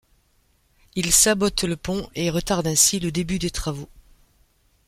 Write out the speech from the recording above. Ils sabotent le pont et retardent ainsi le début des travaux.